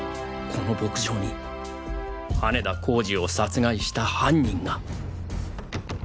この牧場に羽田浩司を殺害した犯人が